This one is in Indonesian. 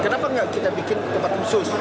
kenapa nggak kita bikin tempat khusus